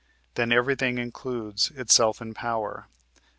Then everything includes itself in power.